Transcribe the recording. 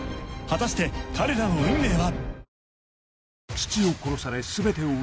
果たして彼らの運命は？